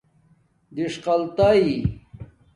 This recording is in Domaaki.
دݽقاتئئ